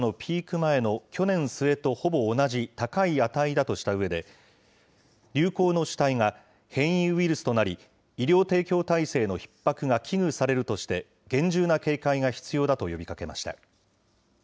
前の去年末とほぼ同じ高い値だとしたうえで、流行の主体が変異ウイルスとなり、医療提供体制のひっ迫が危惧されるとして、厳重な警戒が必要だと呼びかけました。